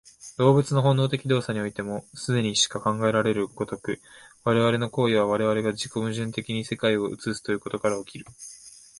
動物の本能的動作においても、既にしか考えられる如く、我々の行為は我々が自己矛盾的に世界を映すということから起こる。